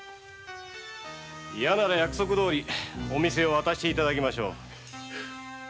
いやなら約束どおりお店を渡して頂きましょう。